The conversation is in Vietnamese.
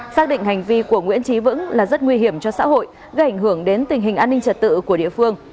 xác định hành vi của nguyễn trí vững là rất nguy hiểm cho xã hội gây ảnh hưởng đến tình hình an ninh trật tự của địa phương